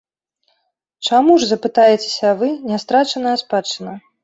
Чаму ж, запытаецеся вы, нястрачаная спадчына?